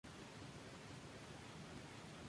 La reserva puede ser dividida en dos sectores o zonas.